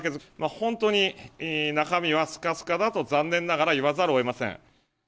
本当に中身はスカスカだと、残念ながら言わざるをえません。